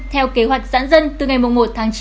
theo kế hoạch giãn dân từ ngày một tháng chín